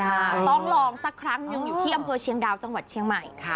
ต้องลองสักครั้งหนึ่งอยู่ที่อำเภอเชียงดาวจังหวัดเชียงใหม่ค่ะ